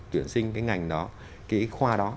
tuyển sinh cái ngành đó cái khoa đó